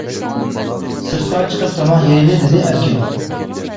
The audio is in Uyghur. سىرتقا چىقىپ تاماق يەيلى دېدى ئەركىن.